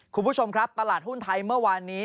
คุณผู้ชมครับตลาดหุ้นไทยเมื่อวานนี้